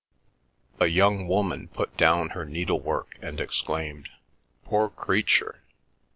A young woman put down her needlework and exclaimed, "Poor creature!